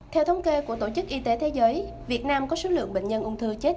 theo thống kê của tổ chức y tế thế giới việt nam có số lượng bệnh nhân ung thư chết